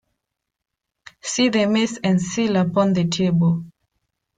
See the mace and seal upon the table.